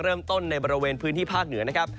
เริ่มต้นในบริเวณพื้นที่ภาคเหนือนะครับ